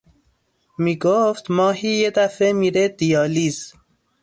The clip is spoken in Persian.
می گفت ماهی یه دفه میره دیالیز